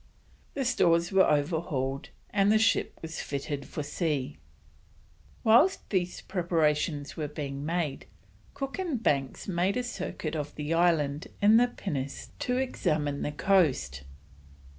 The stores were overhauled, and the ship was fitted for sea. Whilst these preparations were being made, Cook and Banks made a circuit of the island in the pinnace to examine the coast.